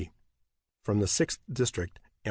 From the Sixth district M.